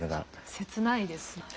切ないですよね。